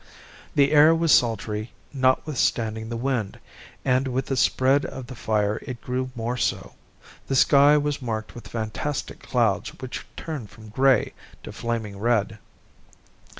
The air was sultry, notwithstanding the wind, and with the spread of the fire it grew more so. The sky was marked with fantastic clouds which turned from gray to flaming red.